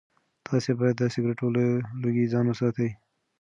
تاسي باید د سګرټو له لوګي ځان وساتئ.